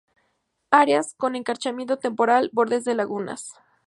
Áreas con encharcamiento temporal, bordes de lagunas.